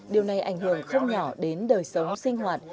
điều này ảnh hưởng không nhỏ đến đời sống sinh hoạt